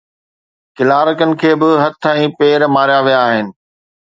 ڪلارڪن کي به هٿ ۽ پير ماريا ويا آهن.